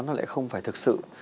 nó lại không phải thực sự